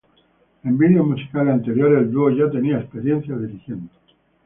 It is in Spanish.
En videos musicales anteriores, el duo ya tenía experiencia dirigiendo.